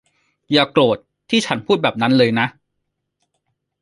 อย่าโกรธที่ฉันพูดแบบนั้นเลยนะ